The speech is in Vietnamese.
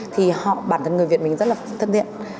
thì họ bản thân người việt mình rất là thân thiện